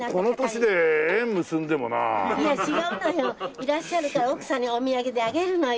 いらっしゃるから奥さんにお土産であげるのよ。